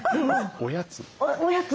おやつ？